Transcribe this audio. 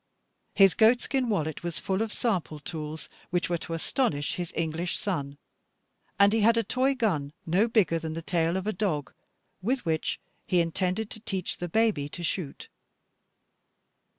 His goatskin wallet was full of sample tools, which were to astonish his English son, and he had a toy gun no bigger than the tail of a dog, with which he intended to teach the baby to shoot.